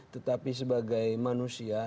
tetapi sebagai manusia